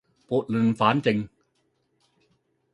撥亂反正